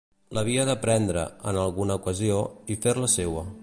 L'havia de prendre, en alguna ocasió, i fer-la seua.